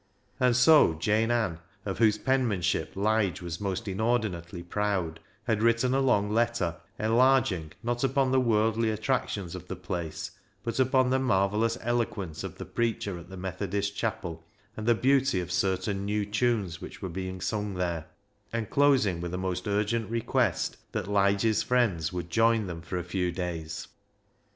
And so Jane Ann, of whose penmanship Lige was most inordinately proud, had written a long letter, enlarging, not upon the worldly attractions of the place, but upon the marvel lous eloquence of the preacher at the Methodist Chapel, and the beauty of certain new tunes which were being sung there, and closing with a most urgent request that Lige's friends would join them for a few days.